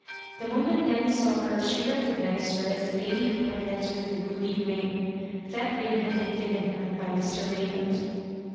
The moment Nanny saw her, she recognised her as the lady who had lent her the ruby ring. That ring had been given her by Mr. Raymond.